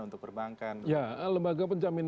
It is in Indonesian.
untuk perbankan lembaga penjamin